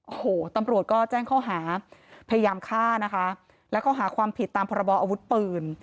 โอ้โหตำรวจก็แจ้งข้อหาพยายามฆ่านะคะและข้อหาความผิดตามพรบออาวุธปืน